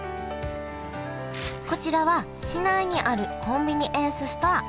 こちらは市内にあるコンビニエンスストア